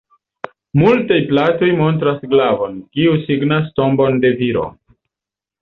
Multaj platoj montras glavon, kiu signas tombon de viro.